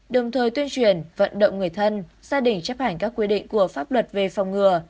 đồng thời tuyên truyền vận động người thân gia đình chấp hành các quy định của pháp luật về phòng ngừa